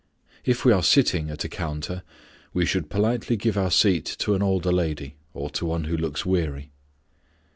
If we are sitting at a counter, we should politely give our seat to an older lady, or to one who looks weary.